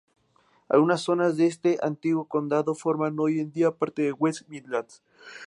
Algunas zonas de este antiguo condado forman hoy en día parte de West Midlands.